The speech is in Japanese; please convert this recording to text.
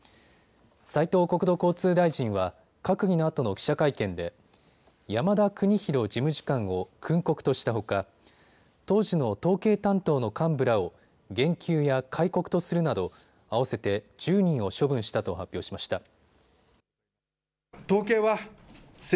斉藤国土交通大臣は閣議のあとの記者会見で山田邦博事務次官を訓告としたほか当時の統計担当の幹部らを減給や戒告とするなど合わせて１０人を処分したと発表しました。